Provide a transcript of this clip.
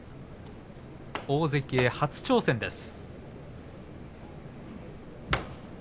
大関へ、初挑戦です。